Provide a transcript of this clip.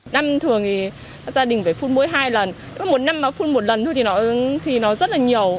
năm thường thì gia đình phải phun mũi hai lần một năm mà phun một lần thôi thì nó rất là nhiều